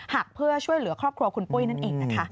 หักเพื่อช่วยเหลือครอบครัวคุณปุ้ยนั้นเอง